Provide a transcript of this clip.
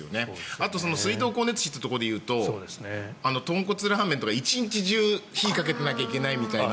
あと、水道光熱費というところで言うと豚骨ラーメンとか一日中火にかけていかなきゃいけないという。